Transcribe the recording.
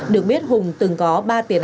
được biết hùng từng có ba tiền án